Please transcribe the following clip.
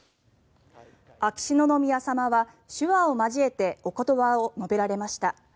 秋篠宮さまは手話を交えてお言葉を述べられました。